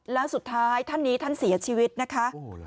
แล้วสุดท้ายท่านนี้ท่านเสียชีวิตนะคะ